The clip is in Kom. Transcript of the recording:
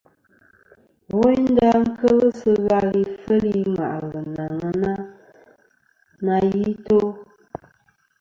Woynda kel sɨ ghal ifel i ŋwà'lɨ nɨ aŋen na i to.